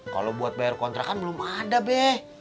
kalau buat bayar kontrak kan belum ada be